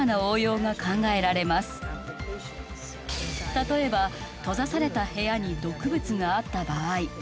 例えば閉ざされた部屋に毒物があった場合。